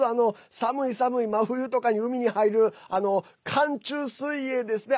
寒い寒い真冬とかに海に入る、寒中水泳ですね。